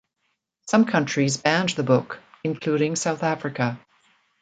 Some countries banned the book, including South Africa.